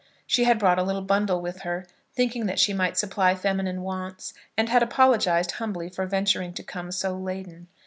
She had brought a little bundle with her, thinking that she might supply feminine wants, and had apologised humbly for venturing to come so laden.